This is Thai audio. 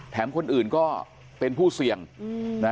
คนอื่นก็เป็นผู้เสี่ยงนะ